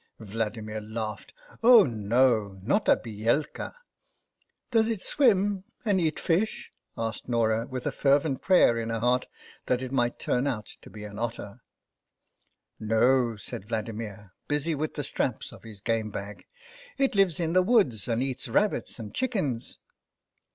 Vladimir laughed. " Oh no ; not a biyelka!' " Does it swim and eat fish ?" asked Norah, with a fervent prayer in her heart that it might turn out to be an otter. " No," said Vladimir, busy with the straps of his game bag ;" it lives in the woods, and eats rabbits and chickens."